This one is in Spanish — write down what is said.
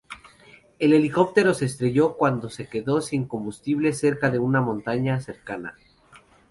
El helicóptero se estrelló cuando se quedó sin combustible cerca de una montaña cercana.